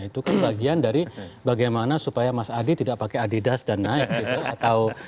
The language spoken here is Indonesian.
itu kan bagian dari bagaimana supaya mas adi tidak pakai adidas dan night gitu